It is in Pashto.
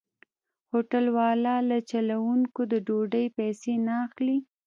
هوټل والا له چلوونکو د ډوډۍ پيسې نه اخلي.